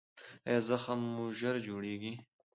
ایا زخم مو ژر جوړیږي؟